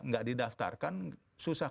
nggak di daftarkan susah